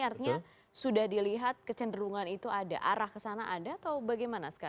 artinya sudah dilihat kecenderungan itu ada arah ke sana ada atau bagaimana sekarang